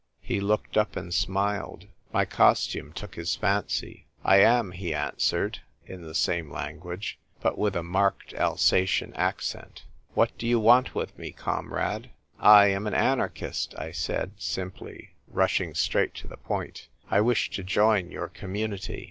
He looked up and smiled. My costume took his fancy. " I am," he answered in the same language, but with a marked Alsatian accent. " What do you want with me, com rade?" " I am an anarchist," I said, simply, rush ing straight to the point. " I wish to join your community."